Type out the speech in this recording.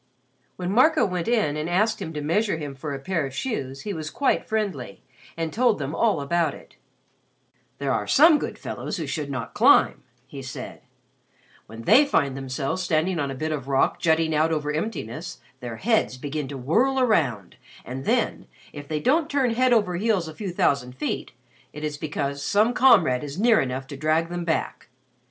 When Marco went in and asked him to measure him for a pair of shoes, he was quite friendly and told them all about it. "There are some good fellows who should not climb," he said. "When they find themselves standing on a bit of rock jutting out over emptiness, their heads begin to whirl round and then, if they don't turn head over heels a few thousand feet, it is because some comrade is near enough to drag them back.